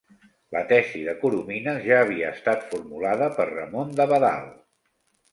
La tesi de Coromines ja havia estat formulada per Ramon d'Abadal.